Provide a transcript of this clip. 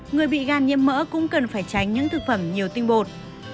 người bị gan nhiễm mỡ cũng cần phải tránh những thực phẩm nhiều tinh bột